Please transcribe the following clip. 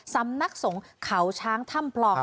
สำนักสงฆ์เขาช้างถ้ำพลอง